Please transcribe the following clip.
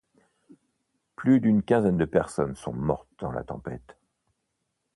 Plus d'une quinzaine de personnes sont mortes dans la tempête.